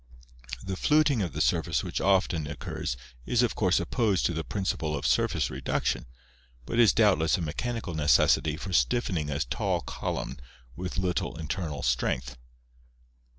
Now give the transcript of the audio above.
The fluting of the surface which often occurs is of course opposed to the principle of surface reduction, but is doubtless a mechanical necessity for stiffening a tall column with little internal strength.